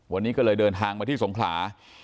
วันนี้ก็เลยเดินทางมาที่สงขลา